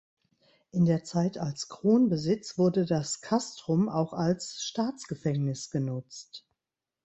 In der Zeit als Kronbesitz wurde das Castrum auch als Staatsgefängnis genutzt.